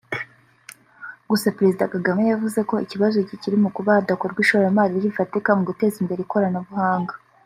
Gusa Perezida Kagame yavuze ko ikibazo kikiri mu kuba hadakorwa ishoramari rifatika mu guteza imbere ikoranabuhanga